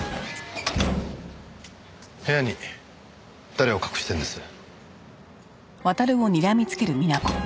部屋に誰を隠してるんです？